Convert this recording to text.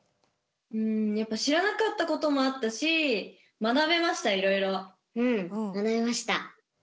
うんやっぱ知らなかったこともあったし学べましたいろいろ。